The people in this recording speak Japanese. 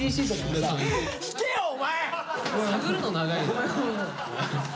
探るの長いよ。